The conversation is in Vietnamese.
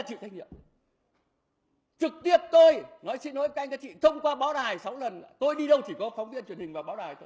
ai chịu trách nhiệm trực tiếp tôi nói xin lỗi các anh và chị thông qua báo đài sáu lần tôi đi đâu chỉ có phóng viên truyền hình và báo đài thôi